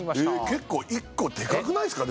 結構１個でかくないっすか？